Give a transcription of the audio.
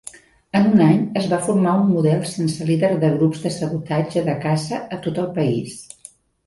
En un any, es va formar un model sense líder de grups de sabotatge de caça a tot el país.